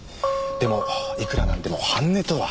でもいくらなんでも半値とは。